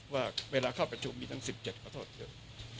ว่าเวลาเข้าประชุมมีทั้ง๑๗ขอโทษครับ